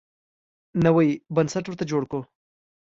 نوی بنسټ ورته جوړ کړو.